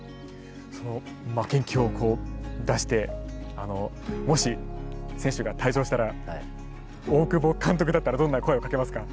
その負けん気を出してもし選手が退場したら大久保監督だったらどんな声をかけますか？